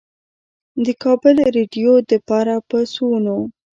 د کابل رېډيؤ دپاره پۀ سوونو